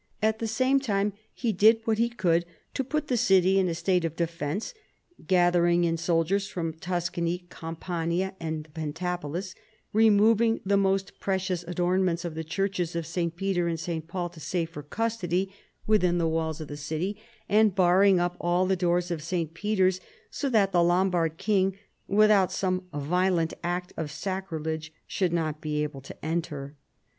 At the same time he did what he could to put the city in a state of defence, gathering in soldiers from Tuscany, Cam pania, and the Pentapolis, removing the most precious adornments of the churches of St. Peter and St. Paul to safer custody within the walls of the city, and barring up all the doors of St. Peter's so that the Lombard king, without some violent act of sacrilege, should not be able to enter.